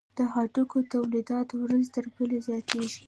د هګیو تولیدات ورځ تر بلې زیاتیږي